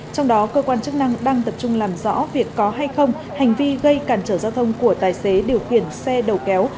trong đó cơ quan chức năng đang tập trung làm rõ việc có hay không hành vi gây cản trở giao thông của tài xế điều khiển xe đầu kéo